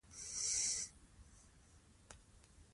د ښوونکي درناوی د علم درناوی دی.